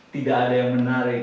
tidak ada yang menarik